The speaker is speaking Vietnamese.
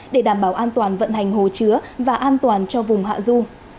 để đảm bảo an toàn vận hành hồ chứa và an toàn cho vùng hạ du